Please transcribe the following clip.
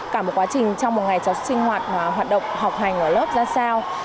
cả một quá trình trong một ngày cháu sinh hoạt và hoạt động học hành ở lớp ra sao